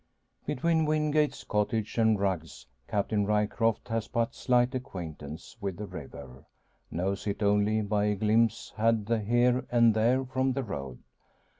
Between Wingate's cottage and Rugg's Captain Ryecroft has but slight acquaintance with the river, knows it only by a glimpse had here and there from the road.